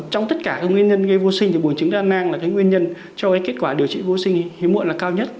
trong tất cả các nguyên nhân gây vô sinh thì bùn chứng đa nang là nguyên nhân cho kết quả điều trị vô sinh hiếm muộn là cao nhất